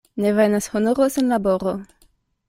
Ne venas honoro sen laboro.